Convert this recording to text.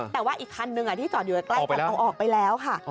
แต่ว่าอีกคันหนึ่งที่จอดอยู่ใกล้กันเอาออกไปแล้วค่ะ